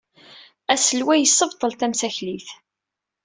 Aselway yessebṭel tamsaklit.